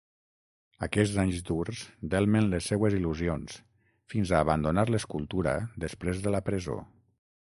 Aquests anys durs delmen les seues il·lusions fins a abandonar l'escultura després de la presó.